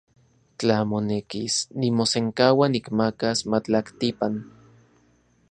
Tla monekis, nimosenkaua nikmakas matlaktipan.